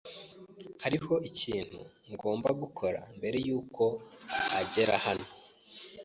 Hariho ikintu ngomba gukora mbere yuko agera hano.